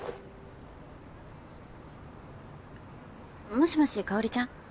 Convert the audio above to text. もしもし香ちゃん？